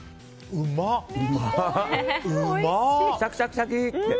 シャキシャキシャキ！って。